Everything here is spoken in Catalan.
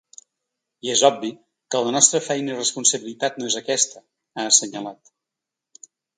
I és obvi que la nostra feina i responsabilitat no és aquesta, ha assenyalat.